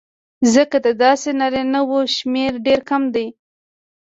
ځکه د داسې نارینهوو شمېر ډېر کم دی